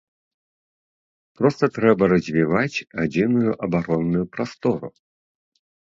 Проста трэба развіваць адзіную абаронную прастору.